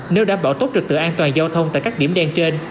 nếu đảm bảo tốt trực tự an toàn giao thông tại các điểm đen trên